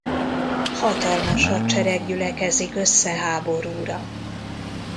Hatalmas hadsereg gyülekezik össze háborúra.